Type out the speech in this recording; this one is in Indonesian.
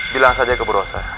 bilang saja ke bu rosa